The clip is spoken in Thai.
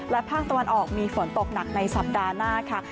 และภาคตะวันออกมีฝนตกหนักในสัปดาห์หน้าค่ะ